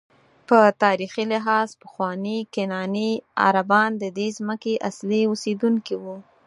په تاریخي لحاظ پخواني کنعاني عربان ددې ځمکې اصلي اوسېدونکي وو.